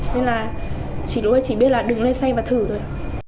nên là lúc đấy chỉ biết là đứng lên xe và thử thôi